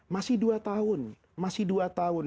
masih dua tahun